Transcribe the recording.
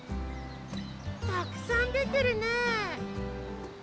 たくさんでてるねえ！